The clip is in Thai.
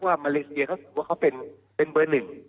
ว่ามาเลเจียว่าเค้าเป็นเป็นเบอร์๑